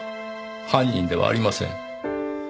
犯人ではありません。